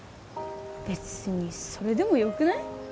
別にそれでもよくない？